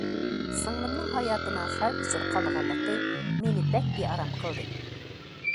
سىڭلىمنىڭ ھاياتىنىڭ خەۋپ ئىچىدە قالغانلىقى مېنى بەك بىئارام قىلدى.